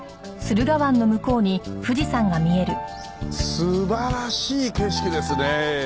素晴らしい景色ですねえ。